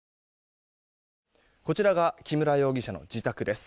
こちらが木村容疑者の自宅です。